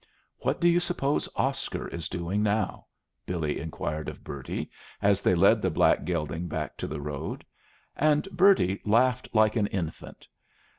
"What do you suppose Oscar is doing now?" Billy inquired of Bertie, as they led the black gelding back to the road; and Bertie laughed like an infant.